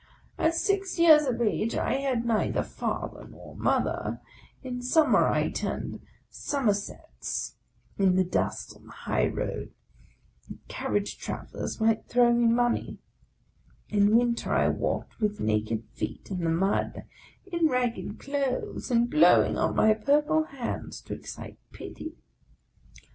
At six years of age I had neither father nor mother ; in summer I turned summersets in the dust on the high road, that carriage travelers might throw me money; in winter I walked with naked feet in the mud, in ragged clothes, and blowing on my purple hands to excite pity.